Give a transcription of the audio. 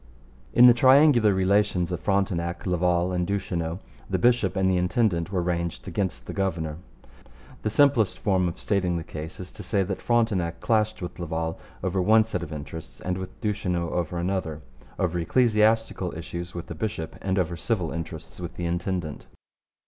In the triangular relations of Frontenac, Laval, and Duchesneau the bishop and the intendant were ranged against the governor. The simplest form of stating the case is to say that Frontenac clashed with Laval over one set of interests and with Duchesneau over another; over ecclesiastical issues with the bishop and over civil interests with the intendant.